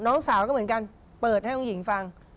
น้องสาวก็เหมือนกันเปิดให้คุณหญิงฟัง